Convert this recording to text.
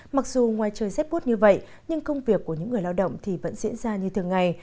mặc dù ngoài trời rét bút như vậy nhưng công việc của những người lao động thì vẫn diễn ra như thường ngày